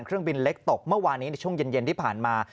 เครื่องบินเล็กตกเมื่อวานนี้ในช่วงเย็นที่ผ่านมา